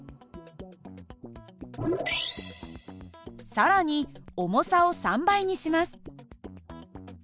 更に重さを３倍にします。